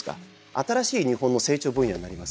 新しい日本の成長分野になりますよね。